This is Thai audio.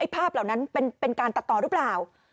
ภาพเหล่านั้นเป็นการตัดต่อหรือเปล่า